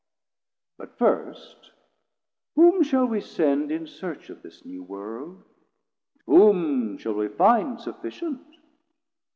But first whom shall we send In search of this new world, whom shall we find Sufficient?